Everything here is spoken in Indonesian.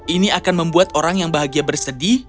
ini akan membuat orang yang bahagia bersedih